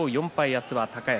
明日は高安。